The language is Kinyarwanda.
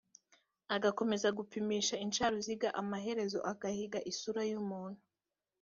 agakomeza kugipimisha incaruziga amaherezo akagiha isura y’umuntu